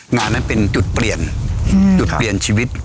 งานนั้นเป็นจุดเปลี่ยนจุดเปลี่ยนชีวิต